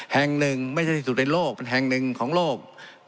แห่งหนึ่งไม่ใช่ที่สุดในโลกเป็นแห่งหนึ่งของโลก